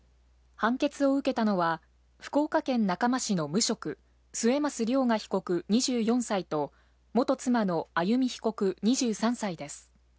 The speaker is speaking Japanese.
判決を受けたのは、福岡県中間市の無職、末益涼雅被告２４歳と、元妻の歩被告２３歳です。